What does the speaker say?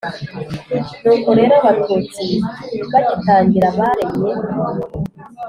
nuko rero, abatutsi bagitangira baremye